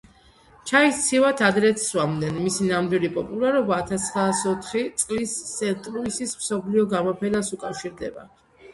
ჩაის ცივად ადრეც სვამდნენ, მისი ნამდვილი პოპულარობა ათასცხრაასოთხი წლის სენტ-ლუისის მსოფლიო გამოფენას უკავშირდება.